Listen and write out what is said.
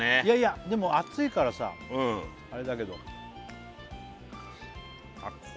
いやいやでも熱いからさあれだけどあっ